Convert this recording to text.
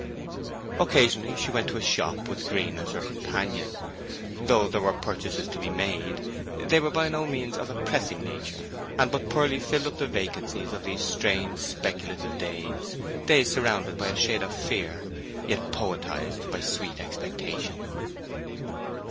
Occasionally she went to a shop, with Green as her companion. Though there were purchases to be made, they were by no means of a pressing nature, and but poorly filled up the vacancies of those strange, speculative days, days surrounded by a shade of fear, yet poetized by sweet expectation.